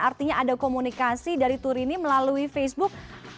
artinya ada komunikasi dari turini melalui facebook